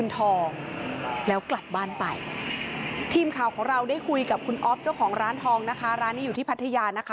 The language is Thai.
ทีมข่าวของเราได้คุยกับคุณอ๊อฟเจ้าของร้านทองนะคะร้านนี้อยู่ที่พัทยานะคะ